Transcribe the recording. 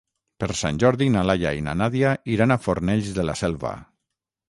Per Sant Jordi na Laia i na Nàdia iran a Fornells de la Selva.